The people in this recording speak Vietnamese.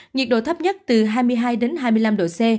nhiệt độ thấp nhất từ hai mươi hai đến hai mươi năm độ c